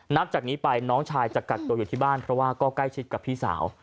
นับจากนี้ไปน้องชายจะกักตัวอยู่ที่บ้านเพราะว่าก็ใกล้ชิดกับพี่สาว